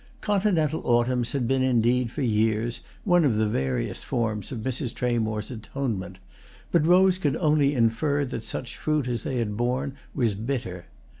Continental autumns had been indeed for years, one of the various forms of Mrs. Tramore's atonement, but Rose could only infer that such fruit as they had borne was bitter.